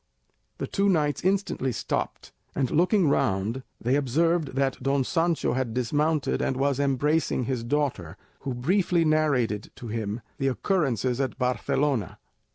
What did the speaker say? The two knights instantly stopped; and looking round they observed that Don Sancho had dismounted and was embracing his daughter, who briefly narrated to him the occurrences at Barcelona.